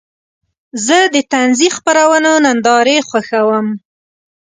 زه د طنزي خپرونو نندارې خوښوم.